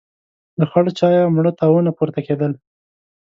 له خړ چايه مړه تاوونه پورته کېدل.